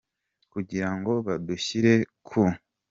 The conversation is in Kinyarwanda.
kugira ngo badushyire ku.